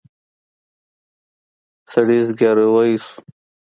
سړي زګېروی شو.